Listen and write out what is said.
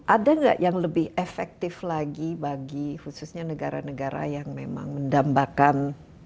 ada gak yang lebih efektif lagi bagi khususnya negara negara yang memang mendambakan